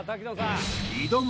挑む